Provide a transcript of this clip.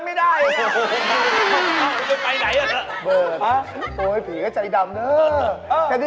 ดีนึงถ้าผีเข้าเราเป็นเรื่องแล้วนะ